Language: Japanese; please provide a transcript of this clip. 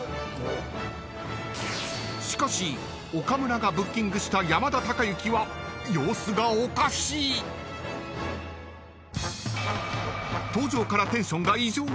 ［しかし岡村がブッキングした山田孝之は様子がおかしい］［登場から］